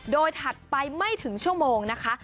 โดยถัดไปไม่ถึงชั่วโมงนะคะ